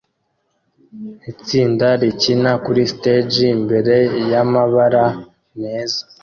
Itsinda rikina kuri stage imbere yamabara meza